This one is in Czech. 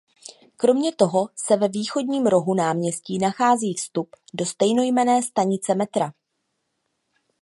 Kromě toho se ve východním rohu náměstí nachází vstup do stejnojmenné stanice metra.